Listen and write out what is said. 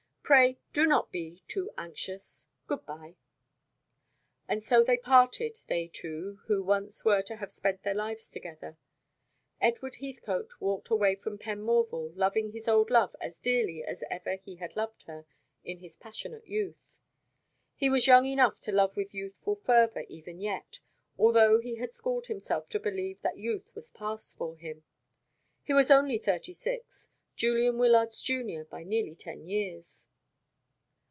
Pray do not be too anxious. Good bye." And so they parted, they two, who once were to have spent their lives together. Edward Heathcote walked away from Penmorval loving his old love as dearly as ever he had loved her in his passionate youth. He was young enough to love with youthful fervour even yet, although he had schooled himself to believe that youth was past for him. He was only thirty six; Julian Wyllard's junior by nearly ten years.